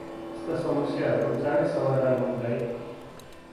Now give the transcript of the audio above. यस्ता समस्याहरु चाडै समाधान हुन दाइ ।